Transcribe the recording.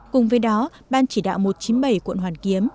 cùng với đó ban chỉ đạo một trăm chín mươi bảy quận hoàn kiếm